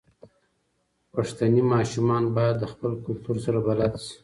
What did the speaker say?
پښتني ماشومان بايد له خپل کلتور سره بلد شي.